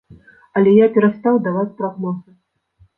Але я перастаў даваць прагнозы.